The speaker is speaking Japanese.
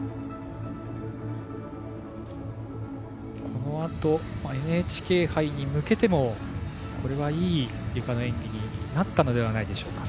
このあと、ＮＨＫ杯に向けてもこれはいいゆかの演技になったのではないでしょうか。